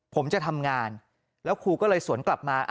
ผมจะทำงานแล้วครูก็เลยสวนกลับมา